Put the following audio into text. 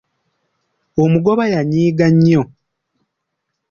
Omugoba yanyiiga nnyo.